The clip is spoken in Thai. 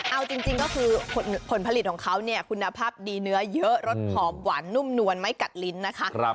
เอาจริงก็คือผลผลิตของเขาเนี่ยคุณภาพดีเนื้อเยอะรสหอมหวานนุ่มนวลไม่กัดลิ้นนะคะ